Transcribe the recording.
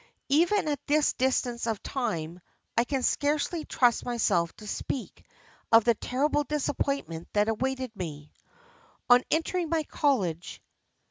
Even at this distance of time I can scarcely trust myself to speak of the terrible disappointment that awaited me.